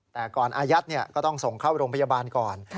แต่ก่อนอายัดก็ต้องส่งเข้าโรงพยาบาลก่อน